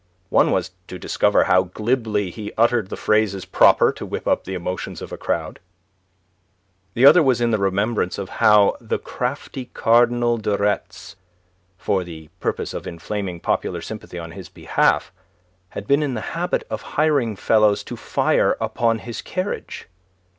One was to discover how glibly he uttered the phrases proper to whip up the emotions of a crowd: the other was in the remembrance of how the crafty Cardinal de Retz, for the purpose of inflaming popular sympathy on his behalf, had been in the habit of hiring fellows to fire upon his carriage.